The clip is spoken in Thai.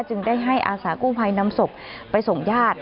จึงได้ให้อาสากู้ภัยนำศพไปส่งญาติ